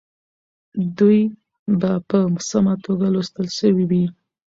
دوی به په سمه توګه لوستل سوي وي.